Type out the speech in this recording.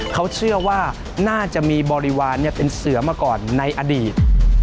เขาเชื่อว่าน่าจะมีบริวารเป็นเสือมาก่อนในอดีต